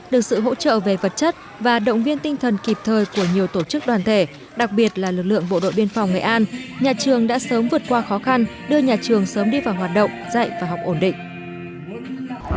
được sự hỗ trợ về vật chất và động viên tinh thần kịp thời của nhiều tổ chức đoàn thể đặc biệt là lực lượng bộ đội biên phòng nghệ an nhà trường đã sớm vượt qua khó khăn đưa nhà trường sớm đi vào hoạt động dạy và học ổn định